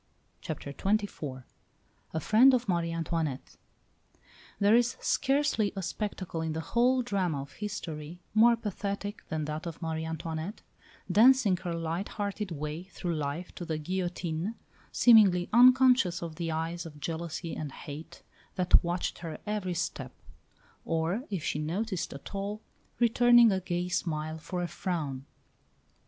CHAPTER XXIV A FRIEND OF MARIE ANTOINETTE There is scarcely a spectacle in the whole drama of history more pathetic than that of Marie Antoinette, dancing her light hearted way through life to the guillotine, seemingly unconscious of the eyes of jealousy and hate that watched her every step; or, if she noticed at all, returning a gay smile for a frown.